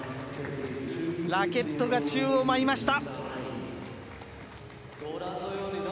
ラケットが宙を舞いました。